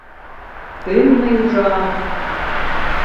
— Кӧм мый ужам!